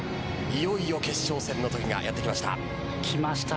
いよいよ決勝戦の時がやってきました。